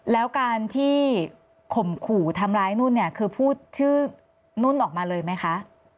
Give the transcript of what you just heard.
แล้วการที่ข่มขู่ทำร้ายนุ่นเนี่ยคือพูดชื่อนุ่นออกมาเลยไหมคะ